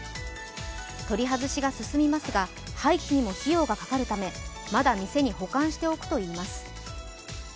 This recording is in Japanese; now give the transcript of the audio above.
取り外しが進みますが廃棄にも費用がかかるためまだ店に保管しておくといいます。